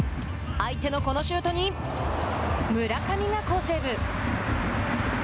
相手のこのシュートに村上が好セーブ。